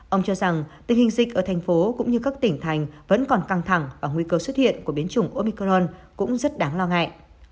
ông cho rằng tình hình dịch ở thành phố cũng như các tỉnh thành vẫn còn căng thẳng và nguy cơ xuất hiện của biến chủng omicron cũng rất đáng lo ngại